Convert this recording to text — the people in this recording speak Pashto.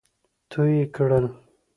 تو يې کړل.